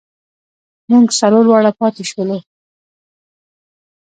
مونږ څلور واړه پاتې شولو.